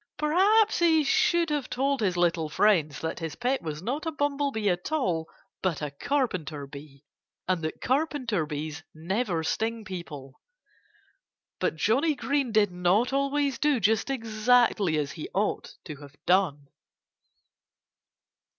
Perhaps he should have told his little friends that his pet was not a bumblebee at all but a carpenter bee and that carpenter bees never sting people. But Johnnie Green did not always do just exactly as he ought to have done.